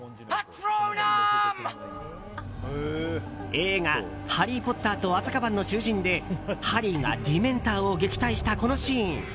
映画「ハリー・ポッターとアズカバンの囚人」でハリーがディメンターを撃退したこのシーン。